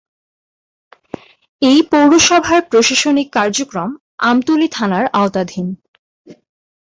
এ পৌরসভার প্রশাসনিক কার্যক্রম আমতলী থানার আওতাধীন।